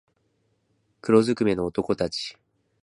黒づくめの男たち